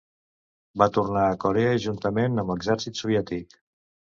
Va tornar a Corea juntament amb l'exèrcit soviètic.